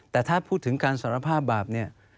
แต่ถ้าพูดถึงการสารภาพบาปเนี่ย